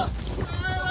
うわ！